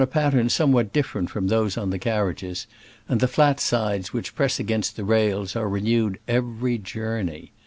35 pattern somewhat different from those on the carriages, and the flat sides which press against the rails are renew ed every journey.